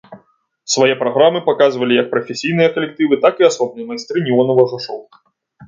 Свае праграмы паказвалі як прафесійныя калектывы, так і асобныя майстры неонавага шоў.